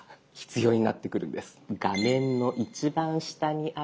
画面の一番下にある。